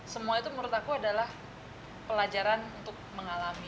semua itu menurut aku adalah pelajaran untuk mengalami